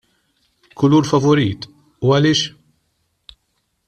Kulur favorit, u għaliex?